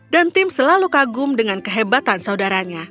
dan tim selalu kagum dengan kehebatan saudaranya